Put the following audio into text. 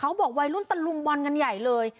เขาบอกวัยรุ่นตำรุงบอลกันใหญ่เลย